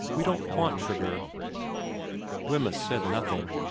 We don't want sugar.' Wemyss said nothing.